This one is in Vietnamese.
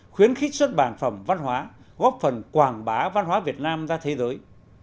khuyến khích xuất bản phẩm văn hóa góp phần quảng bá văn hóa việt nam ra thế giới